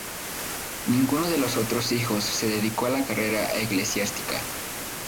Ninguno de los otros hijos se dedicó a la carrera eclesiástica.